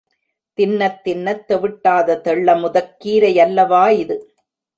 தின்னத் தின்னத் தெவிட்டாத தெள்ளமுதக் கீரையல்லவா இது!